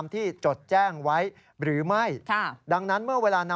ยอมรับว่าการตรวจสอบเพียงเลขอยไม่สามารถทราบได้ว่าเป็นผลิตภัณฑ์ปลอม